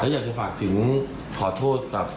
อยากจะฝากถึงขอโทษกับ